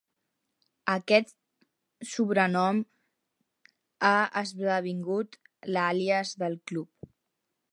Aquest sobrenom ha esdevingut l'àlies del club.